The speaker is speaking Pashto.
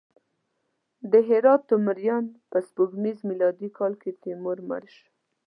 د هرات تیموریان: په سپوږمیز میلادي کال کې تیمور مړ شو.